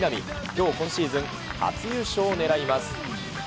きょう、今シーズン初優勝をねらいます。